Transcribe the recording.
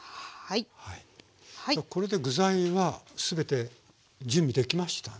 これで具材は全て準備できましたね？